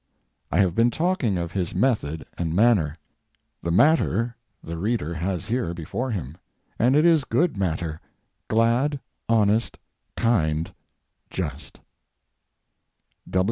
I have been talking of his method and manner; the matter the reader has here before him; and it is good matter, glad, honest, kind, just.